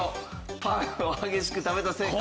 パンを激しく食べたせいか。